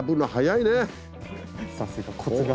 さすがコツが。